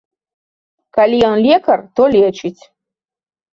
Калі ён лекар, то лечыць.